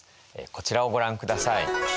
こちらをご覧ください。